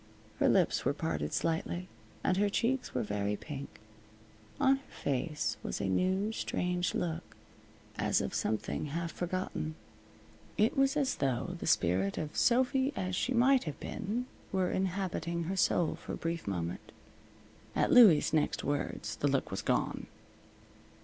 Her lips were parted slightly, and her cheeks were very pink. On her face was a new, strange look, as of something half forgotten. It was as though the spirit of Sophy as she might have been were inhabiting her soul for a brief moment. At Louie's next words the look was gone.